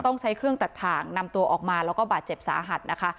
ต้องใช้เครื่องตัดถ่างนำตัวออกมาแล้วก็บาดเจ็บสาหัสนะคะ